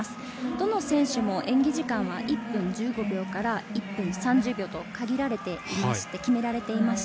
どの選手も演技時間が１分１５秒から１分３０秒と限られていまして決められています。